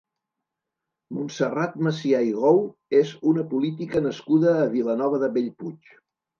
Montserrat Macià i Gou és una política nascuda a Vilanova de Bellpuig.